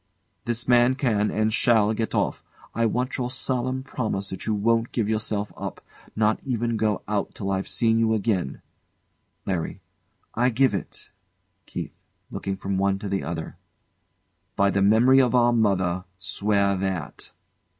This man can and shall get off. I want your solemn promise that you won't give yourself up, nor even go out till I've seen you again. LARRY. I give it. KEITH. [Looking from one to the other] By the memory of our mother, swear that.